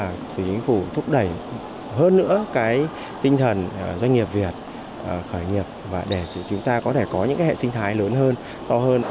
chúng tôi muốn là chính phủ thúc đẩy hơn nữa cái tinh thần doanh nghiệp việt khởi nghiệp và để chúng ta có thể có những cái hệ sinh thái lớn hơn to hơn